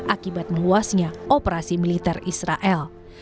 akibat meluasnya operasi militer israel